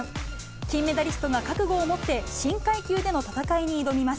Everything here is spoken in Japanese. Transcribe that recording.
金メダリストが覚悟を持って、新階級での戦いに挑みます。